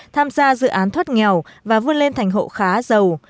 tham gia dự án thoát nghèo và vươn lên thành hộ khá giàu